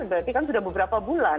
berarti kan sudah beberapa bulan